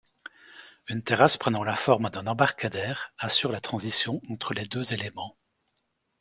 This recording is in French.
Une terrasse prenant la forme d'un embarcadère assure la transition entre les deux éléments.